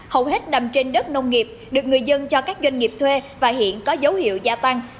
hầu hết nằm trên đất nông nghiệp được người dân cho các doanh nghiệp thuê và hiện có dấu hiệu gia tăng